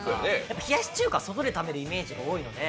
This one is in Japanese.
冷やし中華は外で食べるイメージが多いので。